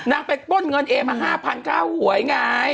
นางไปป้นเงินเอมา๕๐๐ค่าหวยไง